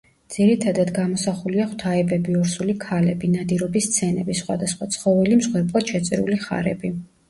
ძირითადად გამოსახულია ღვთაებები, ორსული ქალები, ნადირობის სცენები, სხვადასხვა ცხოველი, მსხვერპლად შეწირული ხარები.